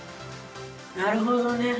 なるほどね。